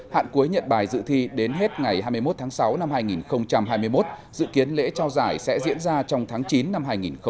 hạn cuối nhận bài dự thi đến hết ngày hai mươi một tháng sáu năm hai nghìn hai mươi một dự kiến lễ trao giải sẽ diễn ra trong tháng chín năm hai nghìn hai mươi